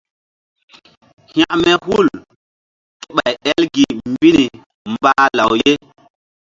Hekme hul ké ɓay el gi mbi ni mbah law ye.